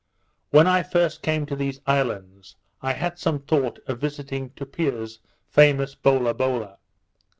When I first came to these islands, I had some thought of visiting Tupia's famous Bolabola.